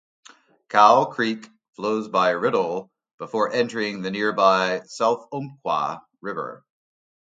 Cow Creek flows by Riddle before entering the nearby South Umpqua River.